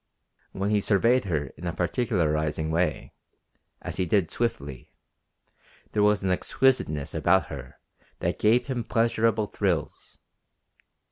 When he surveyed her in a particularizing way, as he did swiftly, there was an exquisiteness about her that gave him pleasureable thrills.